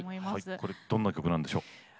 これどんな曲なんでしょう？